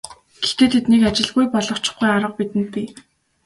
Гэхдээ тэднийг ажилгүй болгочихгүй арга бидэнд бий.